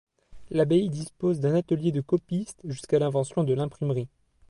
L'abbaye dispose d'un atelier de copistes jusqu'à l'invention de l'imprimerie.